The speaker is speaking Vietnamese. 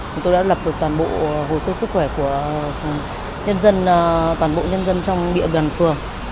chúng tôi đã lập được toàn bộ hồ sơ sức khỏe của toàn bộ nhân dân trong địa gần phường